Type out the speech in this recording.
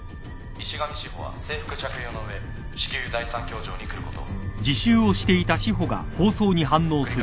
石上史穂は制服着用の上至急第３教場に来ること。